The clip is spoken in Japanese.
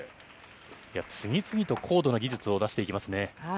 いや、次々と高度な技術を出していきますね。